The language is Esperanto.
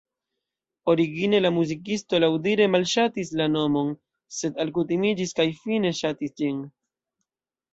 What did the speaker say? Origine la muzikisto laŭdire malŝatis la nomon, sed alkutimiĝis kaj fine ŝatis ĝin.